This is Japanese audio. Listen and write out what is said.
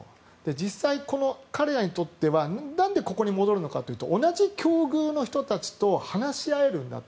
実際、彼らにとってはなんでここに戻るかというと同じ境遇の人たちと話し合えるんだと。